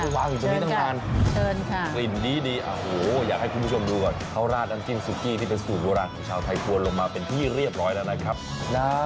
หิวแล้ววางอยู่ตรงนี้ตั้งแต่